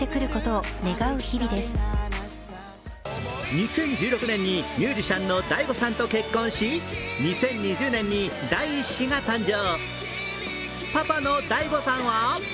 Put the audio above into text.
２０１６年にミュージシャンのＤＡＩＧＯさんと結婚し、２０２０年に第１子が誕生。